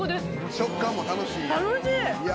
食感も楽しいのや。